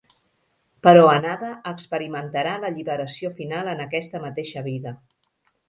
Però Anada experimentarà l'alliberació final en aquesta mateixa vida.